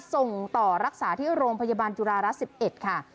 ส่งต่อรักษาที่โรงพยาบาลจุฬารัฐ๑๑ค่ะ